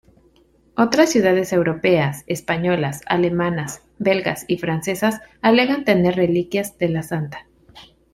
Otras ciudades europeas, españolas, alemanas, belgas y francesas alegan tener reliquias de la santa.